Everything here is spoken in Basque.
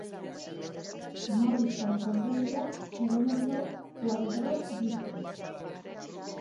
Morrison konderriak kilometro koadro ditu.